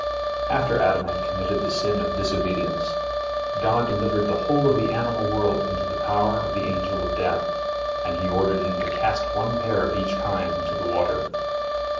After Adam had committed the sin of disobedience, God delivered the whole of the animal world into the power of the Angel of Death, and He ordered him to cast one pair of each kind into the water.